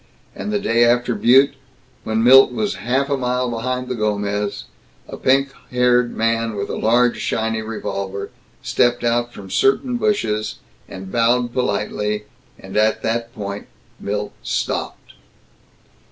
And the day after Butte, when Milt was half a mile behind the Gomez, a pink haired man with a large, shiny revolver stepped out from certain bushes, and bowed politely, and at that point Milt stopped.